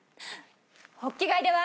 ホッキ貝では。